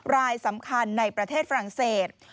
รายสำคัญในประเทศฝรั่งเศส